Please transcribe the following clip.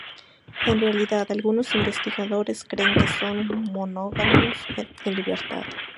En realidad, algunos investigadores creen que son monógamos en libertad.